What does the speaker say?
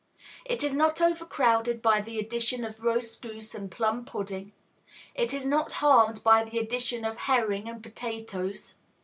It is not overcrowded by the addition of roast goose and plum pudding; it is not harmed by the addition of herring and potatoes.